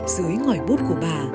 dưới ngoài bút của bà